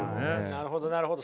なるほどなるほど。